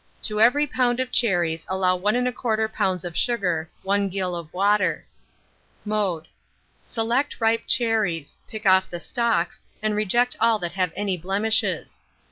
To every lb. of cherries allow 1 1/4 lb. of sugar, 1 gill of water. Mode. Select ripe cherries; pick off the stalks, and reject all that have any blemishes.